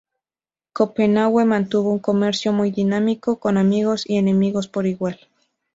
Copenhague mantuvo un comercio muy dinámico con amigos y enemigos por igual.